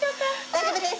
大丈夫です。